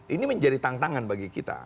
ini menjadi tantangan bagi kita